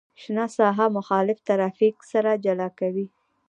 شنه ساحه مخالف ترافیک سره جلا کوي